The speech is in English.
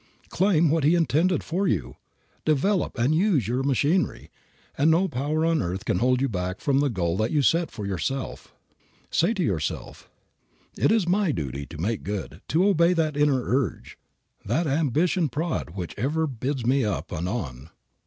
Claim what He intended for you. Develop and use your machinery, and no power on earth can hold you back from the goal you set for yourself. Say to yourself, "It is my duty to make good, to obey that inner urge, that ambition prod which ever bids me up and on.